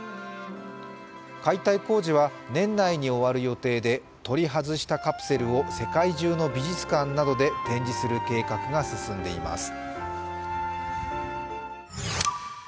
解体工事は年内に終わる予定で取り外したカプセルを世界中の美術館などで展示する計画が進んでいます。